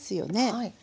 はい。